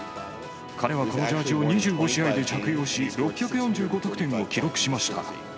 彼はこのジャージを２５試合で着用し、６４５得点を記録しました。